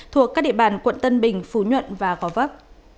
thuộc các địa bàn quận tân bình phú nhuận và gò vấp